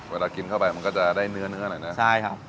เวลากินเข้าไปมันก็จะได้เนื้อเนื้อหน่อยนะใช่ครับ